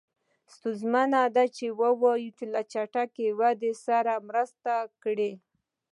ستونزمنه ده چې ووایو له چټکې ودې سره یې مرسته کړې.